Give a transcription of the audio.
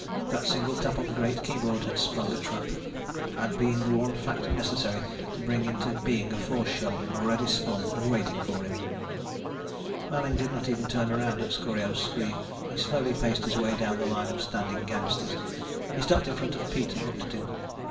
That single tap on the great keyboard had sprung a trap, had been the one factor necessary to bring into being a force shell already spun and waiting for him. Manning did not even turn around at Scorio's scream. He slowly paced his way down the line of standing gangsters. He stopped in front of Pete and looked at him.